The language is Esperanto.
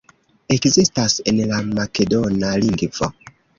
Ekzistas en la makedona lingvo.